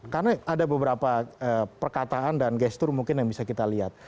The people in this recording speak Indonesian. karena ada beberapa perkataan dan gestur mungkin yang bisa kita lihat